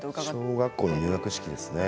小学校の入学式ですね。